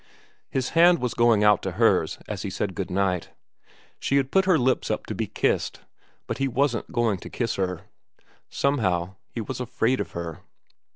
His hand was going out to hers as he said good night. She had put her lips up to be kissed, but he wasn't going to kiss her. Somehow he was afraid of her.